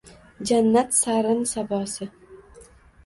Jannat sarrin sabosi.